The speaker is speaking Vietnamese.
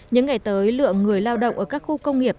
những ngày tới lượng người lao động ở các khu công nghiệp